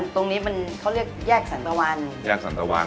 ตรงนี้เขาเรียกแยกสันตะวัน